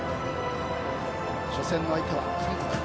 初戦の相手は韓国。